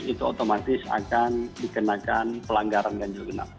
itu otomatis akan dikenakan pelanggaran dan jelunap